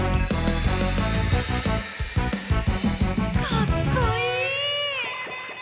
かっこいい！